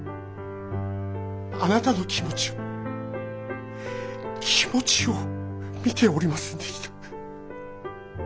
あなたの気持ちを気持ちを見ておりませんでした。